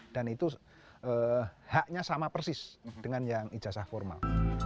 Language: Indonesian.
dan itu haknya sama persis dengan yang ijazah formal